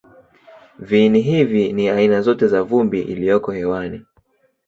Viini hivi ni aina zote za vumbi iliyoko hewani.